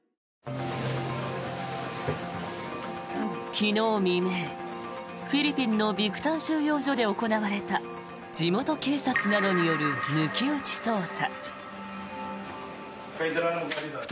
昨日未明、フィリピンのビクタン収容所で行われた地元警察などによる抜き打ち捜査。